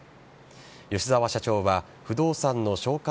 吉澤社長は不動産の紹介